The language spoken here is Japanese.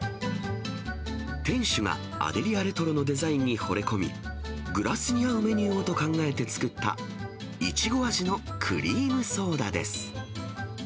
店主がアデリアレトロのデザインにほれ込み、グラスに合うメニューをと考えて作った、イチゴ味のクリームソーダです。